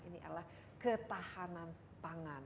ini adalah ketahanan pangan